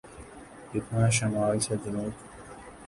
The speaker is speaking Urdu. جتنا شمال سے جنوب۔